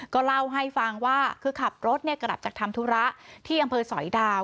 ก็เล่าให้ฟังว่าคือขับรถกลับจากทำธุระที่อำเภอสอยดาว